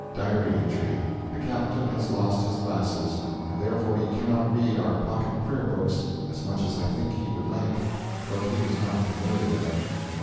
(Diary entry) The captain has lost his glasses, and therefore he cannot read our pocket prayer books as much as I think he would like, though he is not familiar with them.